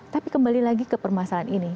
tapi kembali lagi ke permasalahan ini